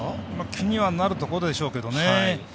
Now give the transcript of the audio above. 気にはなるとこでしょうけどね。